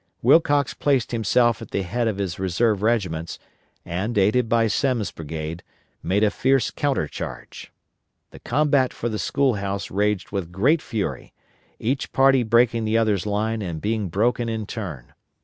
Wilcox placed himself at the head of his reserve regiments, and aided by Semmes' brigade, made a fierce counter charge. The combat for the school house raged with great fury, each party breaking the other's line and being broken in turn.